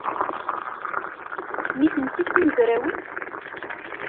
Nitenti d timezrawin?